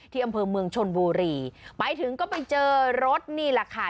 อำเภอเมืองชนบุรีไปถึงก็ไปเจอรถนี่แหละค่ะ